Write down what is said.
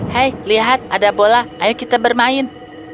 hei lihat ada bola ayo kita bermain